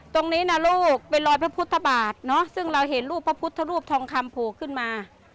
ตรงนี้นะลูกเป็นรอยพระพุทธบาทเนอะซึ่งเราเห็นรูปพระพุทธรูปทองคำโผล่ขึ้นมา